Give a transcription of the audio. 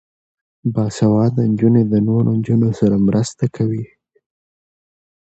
باسواده نجونې د نورو نجونو سره مرسته کوي.